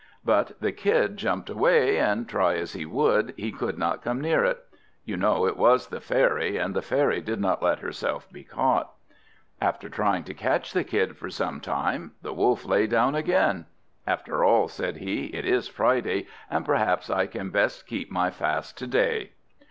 But the Kid jumped away, and, try as he would, he could not come near it. You know it was the fairy, and the fairy did not let herself be caught. After trying to catch the Kid for some time the Wolf lay down again. "After all," said he, "it is Friday; and perhaps I had best keep my fast to day."